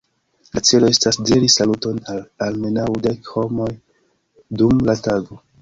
La celo estas diri saluton al almenaŭ dek homoj dum la tago.